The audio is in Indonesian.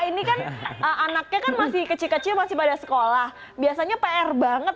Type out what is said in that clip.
ini kan anaknya kan masih kecil kecil masih pada sekolah biasanya pr banget